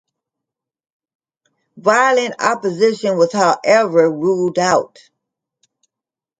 Violent opposition was however ruled out.